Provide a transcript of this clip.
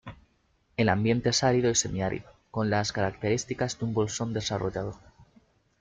El ambiente es árido y semiárido, con las características de un bolsón desarrollado.